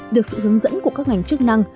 được sự hướng dẫn của các ngành chức năng